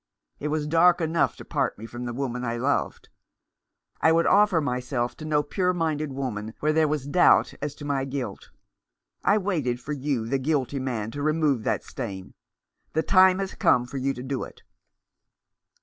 It was dark enough to part me from the woman I loved. I would offer myself to no pure minded woman while there was doubt as to my guilt. I waited for you, the guilty man, to remove that stain. The time has come for you to do it."